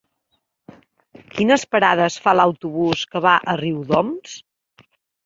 Quines parades fa l'autobús que va a Riudoms?